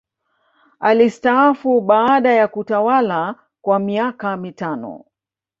alistaafu baada ya kutawalakwa miaka mitano